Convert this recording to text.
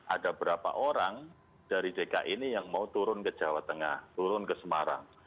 ada berapa orang dari dki ini yang mau turun ke jawa tengah turun ke semarang